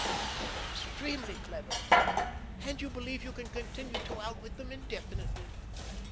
You are extremely clever—and you believe you can continue to outwit them indefinitely.